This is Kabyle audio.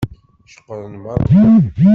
Ceqqṛen meṛṛa.